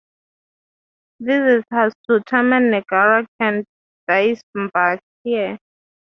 Visitors to Taman Negara can disembark here.